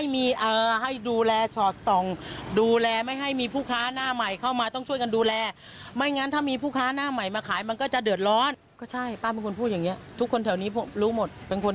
มีคนพูดอย่างนี้ทุกคนแถวนี้รู้หมด